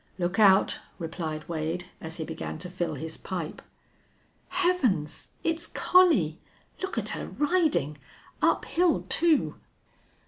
"Look out," replied Wade, as he began to fill his pipe. "Heavens! It's Collie! Look at her riding! Uphill, too!"